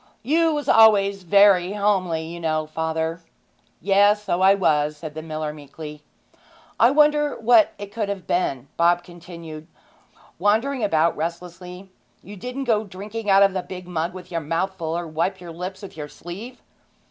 'You was always very homely, you know, father.' 'Yes; so I was,' said the miller meekly. 'I wonder what it could have been,' Bob continued, wandering about restlessly. 'You didn't go drinking out of the big mug with your mouth full, or wipe your lips with your sleeve?'